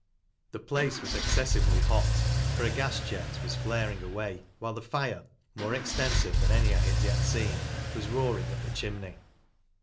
The place was excessively hot, for a gas jet was flaring away, while the fire, more extensive than any I had yet seen, was roaringup the chimney.